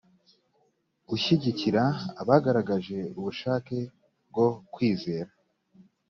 gushyigikira abagaragaje ubushake bwo kwizera